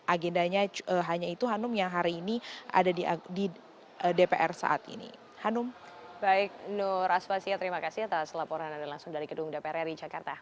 agendanya hanya itu hanum yang hari ini ada di dpr saat ini